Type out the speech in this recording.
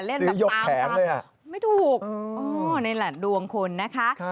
เล่นแบบตามไม่ถูกนี่แหละดวงคนนะคะ